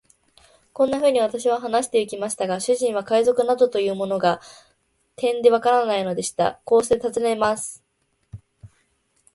こんなふうに私は話してゆきましたが、主人は海賊などというものが、てんでわからないのでした。そしてこう尋ねます。